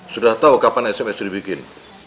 sudah tahu kapan sms dibikin